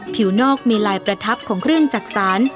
ผิวนอกมีลายประทับของเครื่องจักษาน